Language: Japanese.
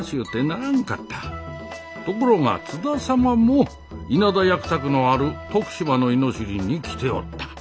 ところが津田様も稲田役宅のある徳島の猪尻に来ておった。